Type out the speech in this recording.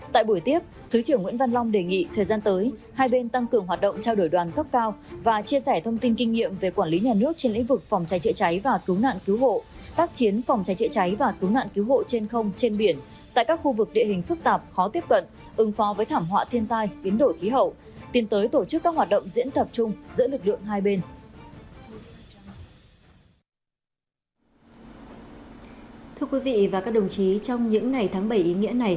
tại buổi tiếp thứ trưởng nguyễn văn long đề nghị thời gian tới hai bên tăng cường hoạt động trao đổi đoàn cấp cao và chia sẻ thông tin kinh nghiệm về quản lý nhà nước trên lĩnh vực phòng cháy trịa cháy và cứu nạn cứu hộ tác chiến phòng cháy trịa cháy và cứu nạn cứu hộ trên không trên biển tại các khu vực địa hình phức tạp khó tiếp cận ứng phó với thảm họa thiên tai biến đổi khí hậu tiến tới tổ chức các hoạt động diễn tập chung giữa lực lượng hai bên